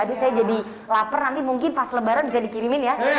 jadi kalau lo lagi lapar nanti mungkin pas lebaran bisa dikirimin ya